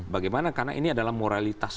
bagaimana karena ini adalah moralitas